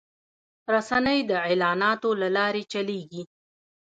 رسنۍ د اعلاناتو له لارې چلېږي